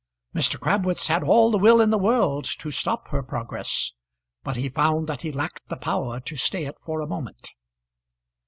Mr. Crabwitz had all the will in the world to stop her progress, but he found that he lacked the power to stay it for a moment.